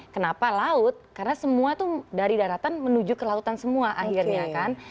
kenapa laut karena semua tuh dari daratan menuju ke lautan semua akhirnya kan